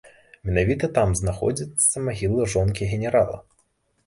Менавіта там знаходзіцца магіла жонкі генерала.